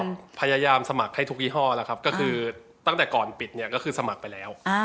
ก็พยายามสมัครให้ทุกยี่ห้อแล้วครับก็คือตั้งแต่ก่อนปิดเนี่ยก็คือสมัครไปแล้ว